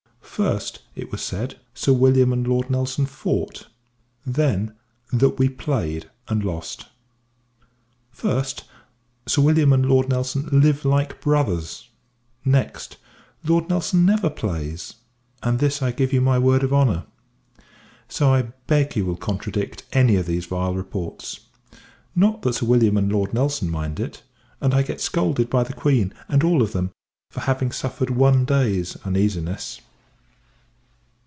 First, it was said, Sir W. and Lord N. fought; then, that we played, and lost. First, Sir W. and Lord N. live like brothers; next, Lord N. never plays: and this I give you my word of honour. So I beg you will contradict any of these vile reports. Not that Sir W. and Lord N. mind it; and I get scolded by the Queen, and all of them, for having suffered one day's uneasiness.